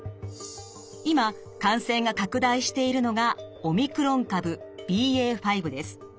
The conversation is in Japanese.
今感染が拡大しているのがオミクロン株ＢＡ．５です。